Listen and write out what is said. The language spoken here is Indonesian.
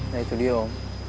nah itu dia om